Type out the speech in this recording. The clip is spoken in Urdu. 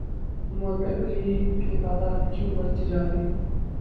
مقتولین کی تعداد کیوں بڑھتی جارہی ہے؟